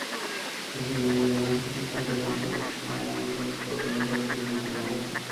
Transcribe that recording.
Recibió muy buenas críticas, dejándolo como uno de los cuatro mejores libros de moda.